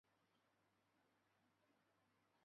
后转任三司理欠凭由司。